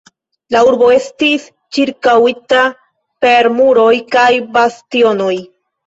La urbo estis ĉirkaŭita per muroj kaj bastionoj.